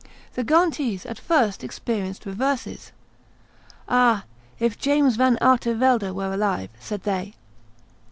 The Ghentese at first experienced reverses. "Ah! if James Van Artevelde were alive!" said they.